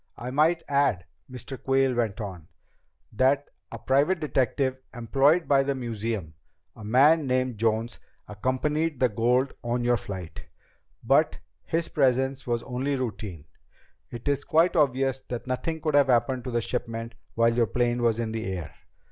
"I might add," Mr. Quayle went on, "that a private detective employed by the museum, a man named Jones, accompanied the gold on your flight. But his presence was only routine. It is quite obvious that nothing could have happened to the shipment while your plane was in the air.